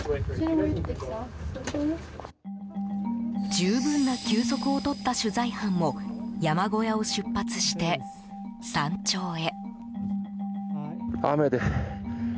十分な休息を取った取材班も山小屋を出発して、山頂へ。